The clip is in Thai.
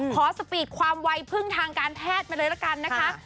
สปีดความวัยพึ่งทางการแพทย์มาเลยละกันนะคะ